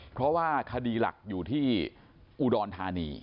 เพราะว่าคดีหลักอยู่ที่อุดรธานี